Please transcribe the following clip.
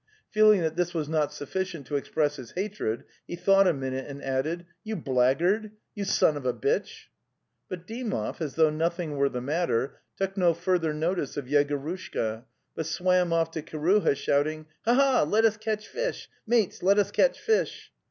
Feeling that this was not sufficient to express his hatred, he thought a minute and added: \ You 'blackeuard))\Yiou'son' af a bitch i" But Dymovy, as though nothing were the matter, took no further notice of Yegorushka, but swam off to Kiruha, shouting: * Hla ha ha let \us/eatch) fish! Mates, letus catch fish."